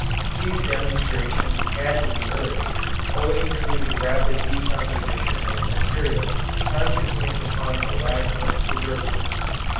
These demonstrations had to be hurried, owing to the rapid decomposition of material consequent upon the lack of preservatives.